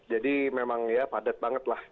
jadi memang ya padat banget lah